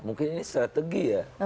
mungkin ini strategi ya